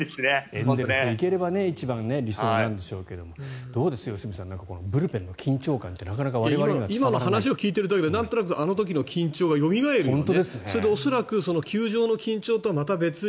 エンゼルス行ければ一番、理想なんでしょうけど良純さんブルペンの緊張感って今、話を聞いているとなんとなくあの時の緊張がよみがえるよね。